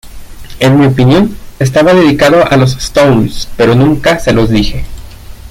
En mi opinión, estaba dedicado a los Stones, pero nunca se los dije.